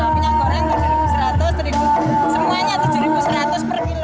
minyak goreng tujuh seratus semuanya tujuh seratus per kilo